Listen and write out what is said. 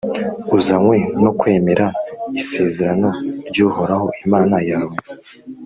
uzanywe no kwemera isezerano ry’uhoraho imana yawe,